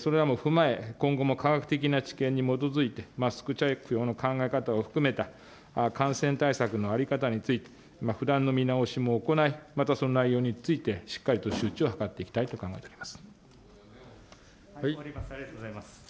それらも踏まえ、今後も科学的な知見に基づいて、マスク着用の考え方を含めた、感染対策の在り方について、不断の見直しを行い、またその内容についてしっかりと周知を図っていきたいと考えておありがとうございます。